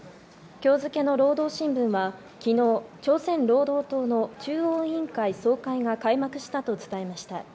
今日付の労働新聞は昨日、朝鮮労働党の中央委員会総会が開幕したと伝えました。